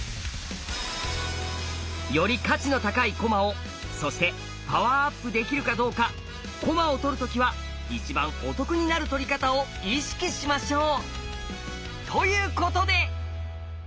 より価値の高い駒をそしてパワーアップできるかどうか駒を取る時は一番お得になる取り方を意識しましょう！ということで。